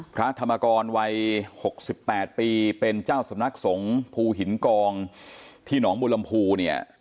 พระธรรมกรวัย๖๘ปีเป็นเจ้าสำนักสงฆ์ภูหินกองที่หนองบุรมภูเนี่ย